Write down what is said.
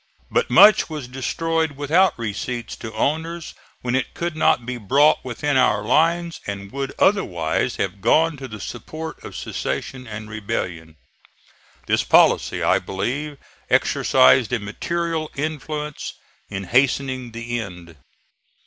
But much was destroyed without receipts to owners, when it could not be brought within our lines and would otherwise have gone to the support of secession and rebellion. This policy I believe exercised a material influence in hastening the end.